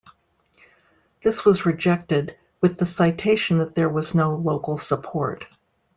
This was rejected, with the citation that there was no local support.